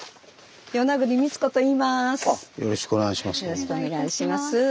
よろしくお願いします。